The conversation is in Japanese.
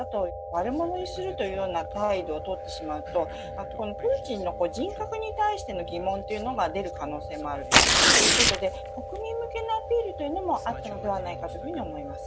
悪者にするというような態度を取ってしまうと、プーチンの人格に対しての疑問というのが出る可能性もあるということで、国民向けのアピールというのもあったのではないかというふうに思います。